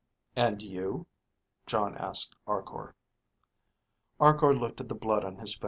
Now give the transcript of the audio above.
"And you?" Jon asked Arkor. Arkor looked at the blood on his finger.